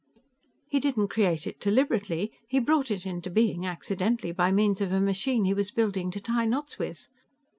"He didn't create it deliberately he brought it into being accidentally by means of a machine he was building to tie knots with.